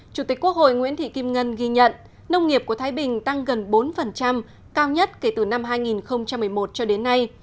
chủ tịch quốc hội nguyễn thị kim ngân ghi nhận nông nghiệp của thái bình tăng gần bốn cao nhất kể từ năm hai nghìn một mươi một cho đến nay